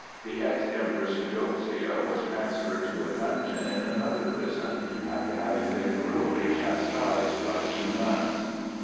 The ex Empress Eudoxia was transferred to a dungeon in another prison, after having been cruelly chastised by two nuns.